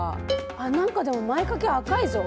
何かでも前掛け赤いぞ。